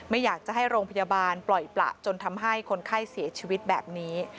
ไม่อยากจะให้โรงพยาบาลปล่อยประจนทำให้คนไข้เสียชีวิตแบบนี้